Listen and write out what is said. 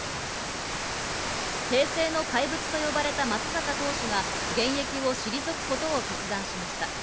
平成の怪物と呼ばれた松坂投手が現役を退くことを決断しました。